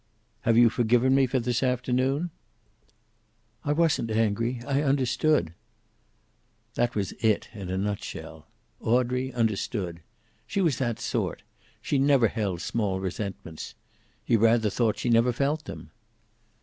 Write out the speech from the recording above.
"Have you forgiven me for this afternoon?" "I wasn't angry. I understood." That was it, in a nutshell. Audrey understood. She was that sort. She never held small resentments. He rather thought she never felt them.